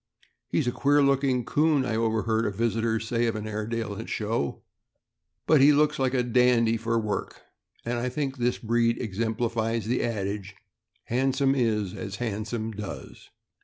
"He's a queer looking 'coon," I overheard a visitor say of an Airedale at a show, '' but he looks like a dandy for work ;'' and I think this breed exemplifies the adage, "Handsome is as handsome does."